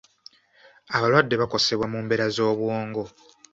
Abalwadde bakosebwa mu mbeera z'obwongo.